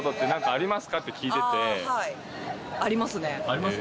あります。